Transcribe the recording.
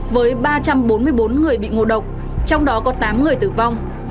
với ba trăm bốn mươi bốn người bị ngộ độc trong đó có tám người tử vong